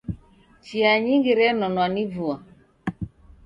Chia nyingi renonwa ni vua.